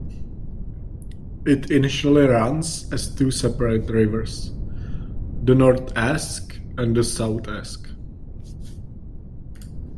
It initially runs as two separate rivers: the North Esk and the South Esk.